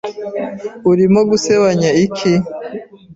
Urimo gusebanya iki?